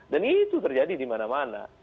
dan itu terjadi dimana mana